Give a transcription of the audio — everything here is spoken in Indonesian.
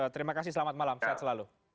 terima kasih selamat malam sehat selalu